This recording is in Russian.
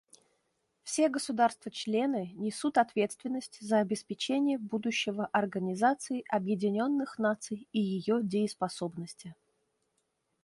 Все государства-члены несут ответственность за обеспечение будущего Организации Объединенных Наций и ее дееспособности.